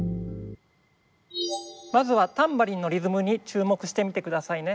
まずはタンバリンのリズムに注目してみてくださいね。